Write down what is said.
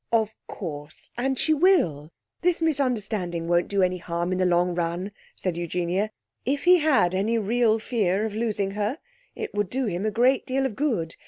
'Of course. And she will. This misunderstanding won't do any harm in the long run,' said Eugenia. 'If he had any real fear of losing her, it would do him a great deal of good.